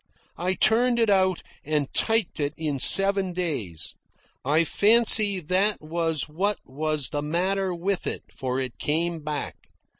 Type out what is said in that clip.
I turned it out and typed it in seven days. I fancy that was what was the matter with it, for it came back.